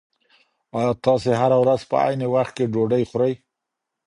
ایا تاسي هره ورځ په عین وخت کې ډوډۍ خورئ؟